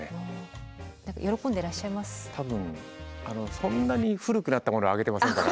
そんなに古くなったものはあげてませんから。